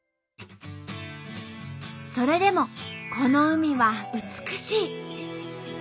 それでもこの海は美しい。